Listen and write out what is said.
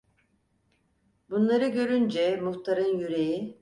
Bunları görünce muhtarın yüreği...